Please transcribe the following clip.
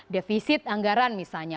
defisit anggaran misalnya